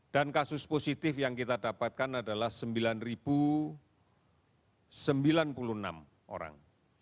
dan kasus positif yang kita dapatkan adalah sembilan sembilan puluh enam orang